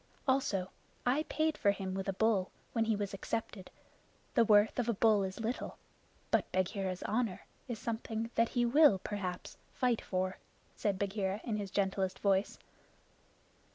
"Also, I paid for him with a bull when he was accepted. The worth of a bull is little, but Bagheera's honor is something that he will perhaps fight for," said Bagheera in his gentlest voice.